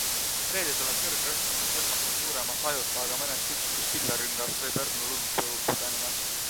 Reede tuleb kõrgrõhkkonna hõlmas ka suurema sajuta, aga mõnest üksikust pilverüngast võib õrna lund pudeneda.